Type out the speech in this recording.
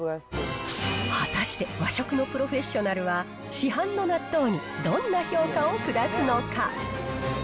果たして和食のプロフェッショナルは、市販の納豆にどんな評価を下すのか。